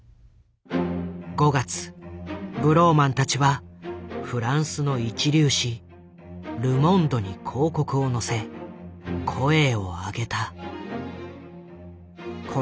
５月ブローマンたちはフランスの一流紙「ル・モンド」に広告を載せ声を上げた。